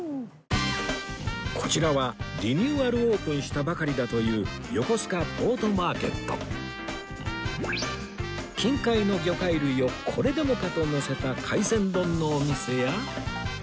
こちらはリニューアルオープンしたばかりだという近海の魚介類をこれでもかとのせた海鮮丼のお店や